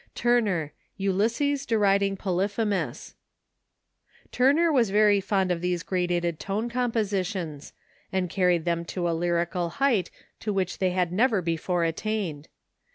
Turner: "Ulysses deriding Polyphemus." Turner was very fond of these gradated tone compositions, and carried them to a lyrical height to which they had never before attained.